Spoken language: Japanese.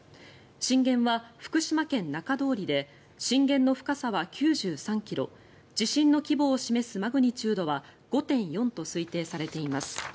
震源は福島県中通りで震源の深さは９３ｋｍ地震の規模を示すマグニチュードは５．４と推定されています。